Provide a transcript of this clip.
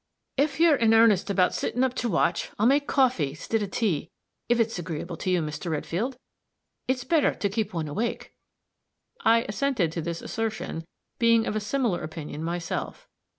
"If you're in earnest about sittin' up to watch, I'll make coffee, instid of tea, if it's agreeable to you, Mr. Redfield. It's better to keep one awake." I assented to this assertion, being of a similar opinion myself.